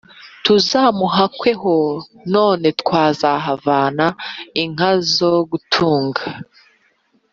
« tuzamuhakweho, none twazahavana inka zo gutunga»,